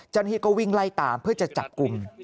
จันทิก็วิ่งไล่ตามเพื่อจะจัดกลุ่ม